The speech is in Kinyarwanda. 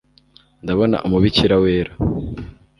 ndabona umubikira wera